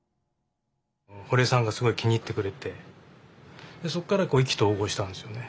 堀江さんがすごい気に入ってくれてそこから意気投合したんですよね。